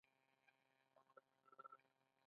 خلک دې د خپلو خبرو لپاره احترام وویني.